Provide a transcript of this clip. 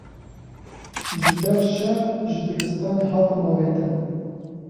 Ji ber şer ji dibistanê hatim avêtin.